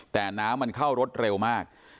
แต่น้ำมันเข้ารถเร็วมาก